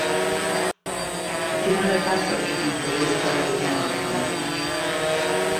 A quina hora passa el primer autobús per Albinyana dimecres?